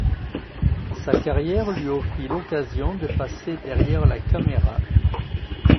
Sa carrière lui offrit l'occasion de passer derrière la caméra.